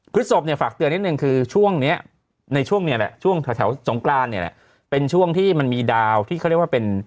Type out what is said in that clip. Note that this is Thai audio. ศพเนี่ยฝากเตือนนิดนึงคือช่วงนี้ในช่วงนี้แหละช่วงแถวสงกรานเนี่ยแหละเป็นช่วงที่มันมีดาวที่เขาเรียกว่าเป็น